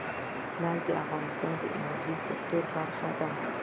لعل د افغانستان د انرژۍ سکتور برخه ده.